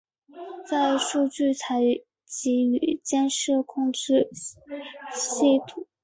在数据采集与监视控制系统。